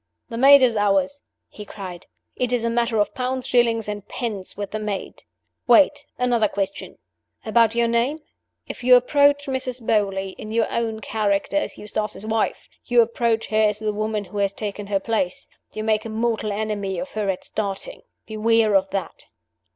"The maid is ours!" he cried. "It's a matter of pounds, shillings, and pence with the maid. Wait! Another question. About your name? If you approach Mrs. Beauly in your own character as Eustace's wife, you approach her as the woman who has taken her place you make a mortal enemy of her at starting. Beware of that!"